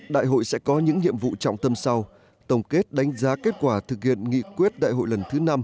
đại hội sẽ có những nhiệm vụ trọng tâm sau tổng kết đánh giá kết quả thực hiện nghị quyết đại hội lần thứ năm